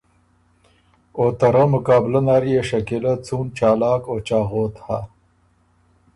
او ته رۀ مقابلۀ نر يې شکیلۀ څُون چالاک او چاغوت هۀ۔